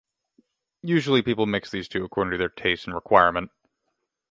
Usually people mix these two according to their taste and requirement.